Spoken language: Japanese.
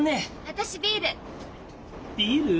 私ビール！